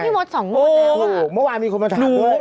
ก็พี่มัฏสสั่งมู้นแล้วว้ายมีคนมาสั่งมู้น